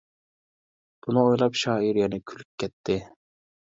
بۇنى ئويلاپ شائىر يەنە كۈلۈپ كەتتى.